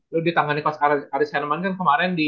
lu ditangani coach aris herman kan kemarin di